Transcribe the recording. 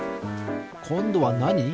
こんどはなに？